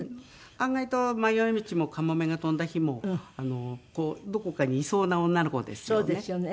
案外と『迷い道』も『かもめが翔んだ日』もこうどこかにいそうな女の子ですよね。